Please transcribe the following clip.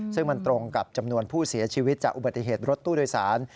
ซึ่งมันตรงกับจำนวนผู้เสียชีวิตจากอุบัติเหตุรถตู้โดยสาร